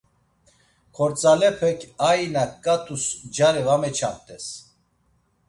Xordzalepek, ainak ǩat̆us cari va meçamt̆es.